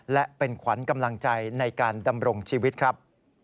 และเป็นขวัญกำลังใจในการดำรงชีวิตครับ